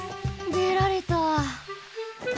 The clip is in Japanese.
でられた。